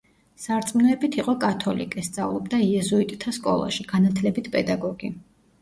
სარწმუნოებით იყო კათოლიკე, სწავლობდა იეზუიტთა სკოლაში, განათლებით პედაგოგი.